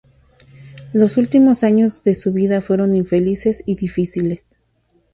Los últimos años de su vida fueron infelices y difíciles.